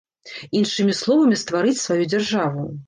Іншымі словамі, стварыць сваю дзяржаву.